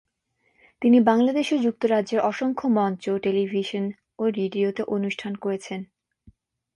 তিনি বাংলাদেশ ও যুক্তরাজ্যের অসংখ্য মঞ্চ, টেলিভিশন এবং রেডিও তে অনুষ্ঠান করেছেন।